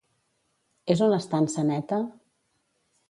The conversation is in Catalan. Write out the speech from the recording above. És una estança neta?